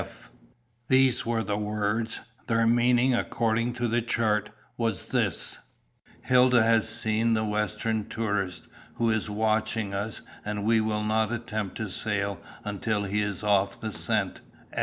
"F." These were the words; their meaning, according to the chart, was this: "Hilda has seen the western tourist. He is watching us, and we will not attempt to sail until he is off the scent.